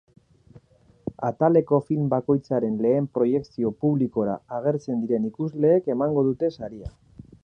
Ataleko film bakoitzaren lehen proiekzio publikora agertzen diren ikusleek emango dute saria.